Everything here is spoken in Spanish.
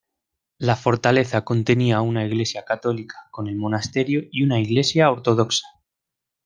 La fortaleza contenía una iglesia católica con el monasterio y una iglesia ortodoxa.